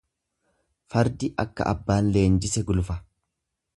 Fardi akka abbaan leenjise gulufa.